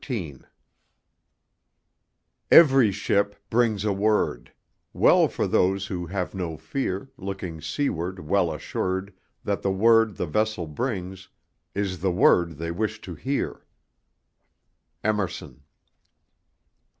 XIII Every ship brings a word; Well for those who have no fear, Looking seaward well assured That the word the vessel brings Is the word they wish to hear. EMERSON.